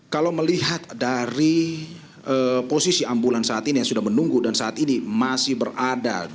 kalau melihat dari posisi ambulans saat ini yang sudah menunggu dan saat ini masih berada